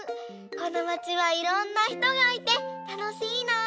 このまちはいろんなひとがいてたのしいな！